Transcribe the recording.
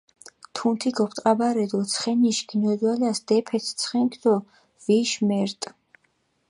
თუნთი გოპტყაბარე დო ცხენიშ გინოდვალას დეფეთჷ ცხენქ დო ვიშ მერტჷ.